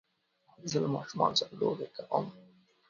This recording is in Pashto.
زه له ماشومانو سره لوبی کوم